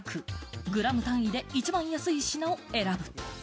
グラム単位で一番安い品を選ぶ。